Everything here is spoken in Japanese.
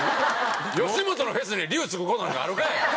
吉本のフェスに龍つく事なんかあるかい！